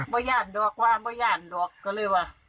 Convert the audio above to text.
บ่อยย่านดอกว่าบ่อยย่านดอกก็เลยว่า